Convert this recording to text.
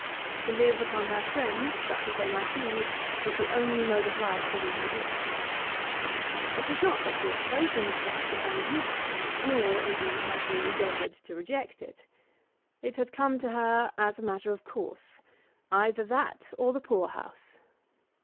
To live upon her friends, such as they might be, was the only mode of life within her reach. It was not that she had chosen such dependence; nor, indeed, had she endeavoured to reject it. It had come to her as a matter of course, either that or the poor house.